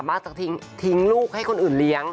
มักจะทิ้งลูกให้คนอื่นเลี้ยง